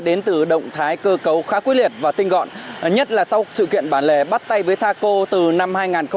đến từ động thái cơ cấu khá quyết liệt và tinh gọn nhất là sau sự kiện bản lệ bắt tay với thaco từ năm hai nghìn một mươi chín